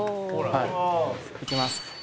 いきます。